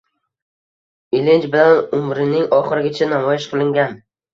Ilinj bilan umrining oxirigacha namoyish qilingan